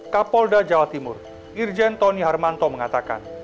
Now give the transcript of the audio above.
kapolda jawa timur irjen tony harmanto mengatakan